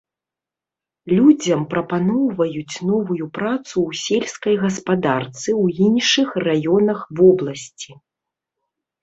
Людзям прапаноўваюць новую працу ў сельскай гаспадарцы ў іншых раёнах вобласці.